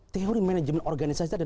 teori manajemen organisasi